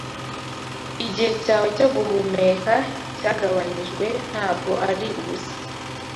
Igihe cyawe cyo guhumeka-cyagabanijwe Ntabwo ari ubusa